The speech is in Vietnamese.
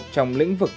trong lĩnh vực